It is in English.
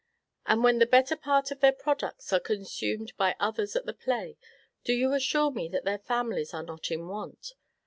And when the better part of their products are consumed by others at the play, do you assure me that their families are not in want?